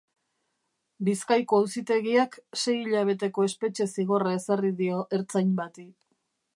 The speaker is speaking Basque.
Bizkaiko Auzitegiak sei hilabeteko espetxe zigorra ezarri dio ertzain bati.